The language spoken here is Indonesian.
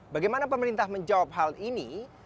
bagaimana pemerintah menjawab hal ini